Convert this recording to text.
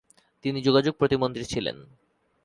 তিনি যোগাযোগ প্রতিমন্ত্রী ছিলেন।